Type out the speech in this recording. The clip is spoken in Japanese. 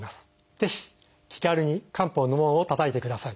ぜひ気軽に漢方の門をたたいてください。